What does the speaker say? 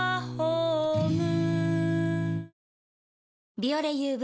「ビオレＵＶ」